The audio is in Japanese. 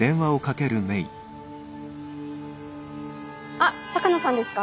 あっ鷹野さんですか？